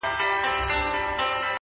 زه د بل له ښاره روانـېـږمـه’